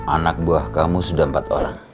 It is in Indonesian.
anak buah kamu sudah empat orang